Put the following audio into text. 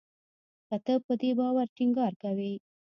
که ته په دې باور ټینګار کوې